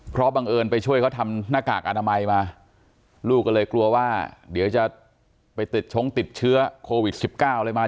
เพราะบังเอิญไปช่วยเขาทำหน้ากากอนามัยมาลูกก็เลยกลัวว่าเดี๋ยวจะไปติดชงติดเชื้อโควิด๑๙อะไรมา